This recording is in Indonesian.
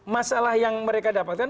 masalah yang mereka dapatkan